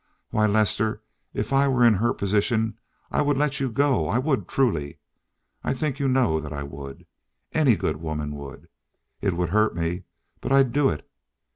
Why, Lester, if I were in her position I would let you go. I would, truly. I think you know that I would. Any good woman would. It would hurt me, but I'd do it.